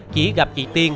chỉ gặp chị tiên